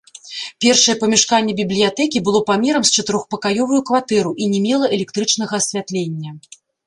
Першае памяшканне бібліятэкі было памерам з чатырохпакаёвую кватэру і не мела электрычнага асвятлення.